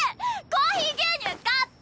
コーヒー牛乳買って！